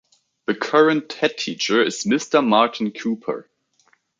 The current headteacher is Mr. Martyn Cooper.